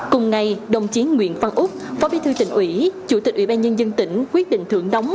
cùng ngày đồng chiến nguyễn phan úc phó bí thư tỉnh ủy chủ tịch ủy ban nhân dân tỉnh quyết định thưởng đóng